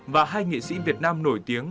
và hai nghệ sĩ việt nam nổi tiếng